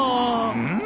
うん。